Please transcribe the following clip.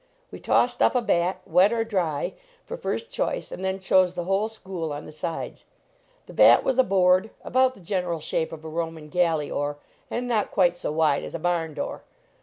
We tossed up a bat wet or dry for fir t 73 LEARNING TO PLAY choice, and then chose the whole school on the sides. The bat was a board, about the general shape of a Roman galley oar and not quite so wide as a barn door.